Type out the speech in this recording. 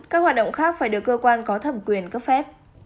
một mươi bốn các hoạt động khác phải được cơ quan có thẩm quyền cấp phép